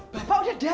bapak udah datang